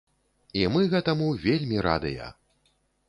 І мы гэтаму вельмі радыя!